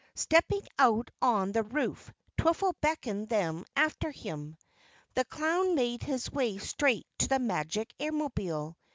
Stepping out on the roof, Twiffle beckoned them after him. The clown made his way straight to the Magic Airmobile.